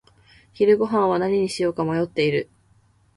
昼ごはんは何にしようか迷っている。